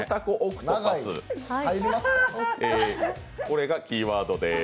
これがキーワードです。